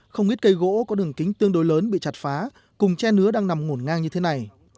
không ít cây gỗ có đường kính tương đối lớn bị chặt phá cùng che nứa đang nằm ngổn ngang như thế này